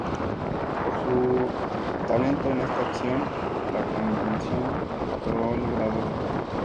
Por su talento en esta acción, la Convención le otorgó el grado de general.